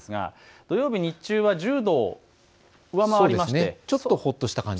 土曜日は１０度を上回りました。